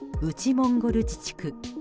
モンゴル自治区。